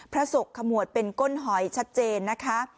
พระศกขมวดเป็นก้นหอยชัดเจนนะคะ